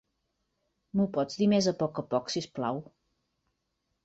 M'ho pots dir més a poc a poc, sisplau?